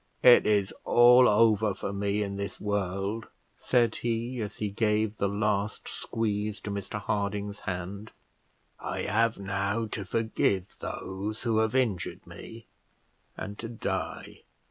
"It is all over for me in this world," said he, as he gave the last squeeze to Mr Harding's hand; "I have now to forgive those who have injured me; and to die."